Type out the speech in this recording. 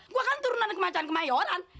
gue kan turunan ke macam kemayoran